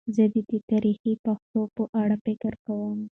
زه د دې تاریخي پېښو په اړه فکر کوم.